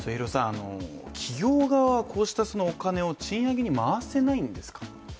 企業側はこうしたお金を賃上げに回せないんですか？